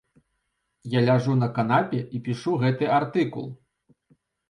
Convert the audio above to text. Я ляжу на канапе і пішу гэты артыкул.